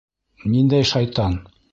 Ниндәй шайтан?